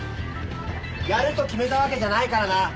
やると決めたわけじゃないからな！